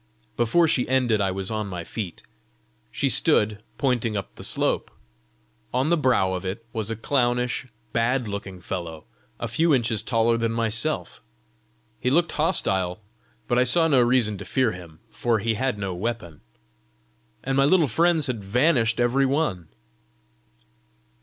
Before she ended, I was on my feet. She stood pointing up the slope. On the brow of it was a clownish, bad looking fellow, a few inches taller than myself. He looked hostile, but I saw no reason to fear him, for he had no weapon, and my little friends had vanished every one.